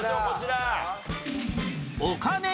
こちら。